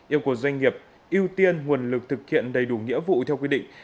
yêu của doanh nghiệp ưu tiên nguồn lực thực hiện đầy đủ nghĩa vụ theo quy định